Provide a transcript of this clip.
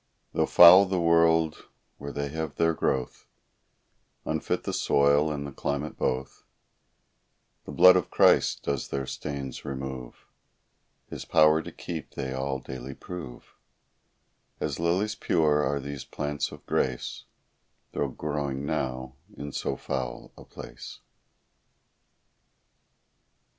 Though foul the world where they have their growth, Unfit the soil, and the climate both, The blood of Christ does their stains remove; His power to keep they all daily prove; As lilies pure are these plants of grace, Though growing now in so foul a place.